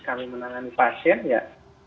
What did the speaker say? kami menangani pasien ya